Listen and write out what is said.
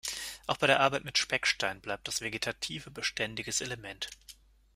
Auch bei der Arbeit mit Speckstein bleibt das Vegetative beständiges Element.